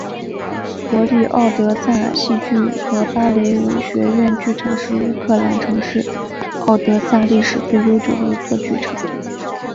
国立敖德萨戏剧和芭蕾舞学院剧场是乌克兰城市敖德萨历史最悠久的一座剧场。